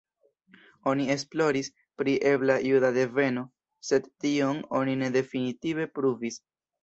Oni esploris pri ebla juda deveno, sed tion oni ne definitive pruvis.